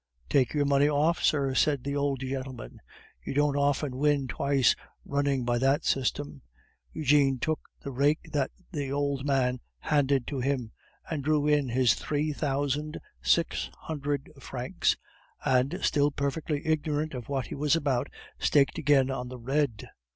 "Take your money off, sir," said the old gentleman; "you don't often win twice running by that system." Eugene took the rake that the old man handed to him, and drew in his three thousand six hundred francs, and, still perfectly ignorant of what he was about, staked again on the red.